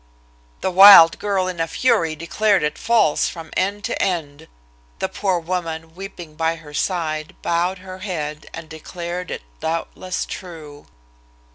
The wild girl, in a fury declared it false from end to end. The poor woman, weeping by her side, bowed her head and declared it doubtless true.